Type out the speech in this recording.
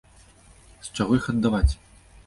З чаго іх аддаваць?